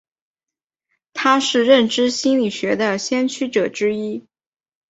他是认知心理学的先驱者之一。